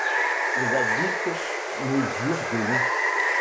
Les adultes mesurent de long.